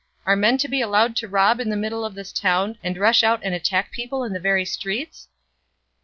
Are men to be allowed to rob in the middle of this town, and rush out and attack people in the very streets?"